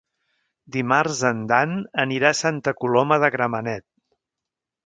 Dimarts en Dan anirà a Santa Coloma de Gramenet.